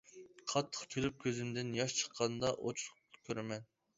قاتتىق كۈلۈپ كۈزۈمدىن ياش چىققاندا ئوچۇق كۆرىمەن.